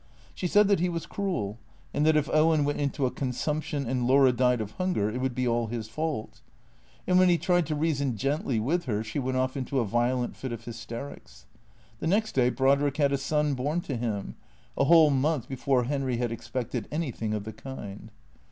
She said that he was cruel, and that if Owen went into a consumption and Laura died of hunger it would be all his fault. And when he THE CKEA TOES 315 tried to reason gently with her she went off into a violent fit of hysterics. The next day Brodrick had a son born to him, a whole month before Henry had expected anything of the kind.